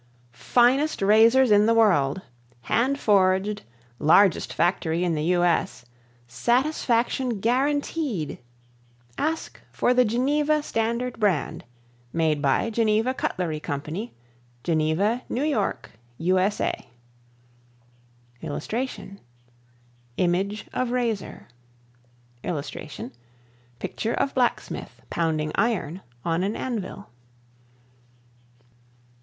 ] Finest Razors in the World. Hand Forged Satisfaction Largest Factory in the U. S. Guaranteed Ask for the Geneva Standard Brand, Made by Geneva Cutlery Co., Geneva, N. Y., U. S. A. [Illustration: Image of razor.] [Illustration: Picture of blacksmith pounding iron on an anvil.